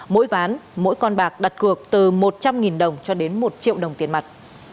mỗi ván mỗi con bạc đặt cược từ một trăm linh đồng cho đến một triệu đồng tiền mặt